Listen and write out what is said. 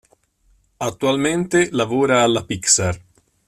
Attualmente lavora alla Pixar.